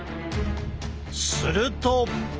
すると。